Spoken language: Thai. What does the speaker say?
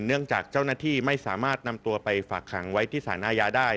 เนื่องจากเจ้าหน้าที่ไม่สามารถนำตัวไปฝากขังไว้ที่สารอาญาได้